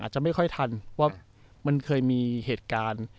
จะไม่ค่อยทันว่ามันเคยมีเหตุการณ์